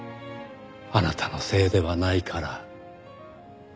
「あなたのせいではないから」